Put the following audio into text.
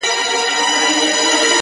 o او ته خبر د کوم غریب د کور له حاله یې؛